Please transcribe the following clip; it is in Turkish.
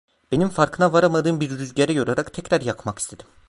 Benim farkına varamadığım bir rüzgara yorarak tekrar yakmak istedim…